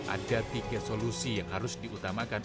ada tiga solusi yang harus diutamakan